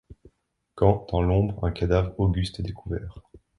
Quand dans l'ombre un cadavre auguste est découvert